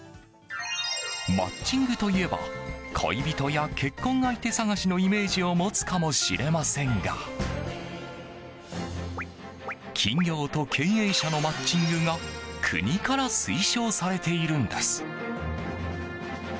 マッチングといえば恋人や結婚相手探しのイメージを持つかもしれませんが企業と経営者のマッチングが国から推奨されているんです。